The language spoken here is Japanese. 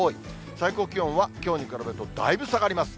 最高気温は、きょうに比べると、だいぶ下がります。